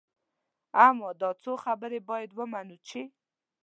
اما دا څو خبرې باید ومنو چې.